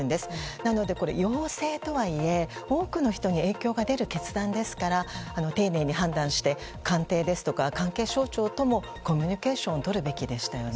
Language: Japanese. なので、要請とはいえ多くの人に影響が出る決裁ですから丁寧に判断して官邸や関係省庁とコミュニケーションをとるべきでしたよね。